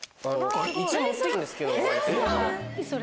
一応持って来たんですけど。何？